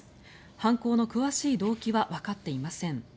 犯行の詳しい動機はわかっていません。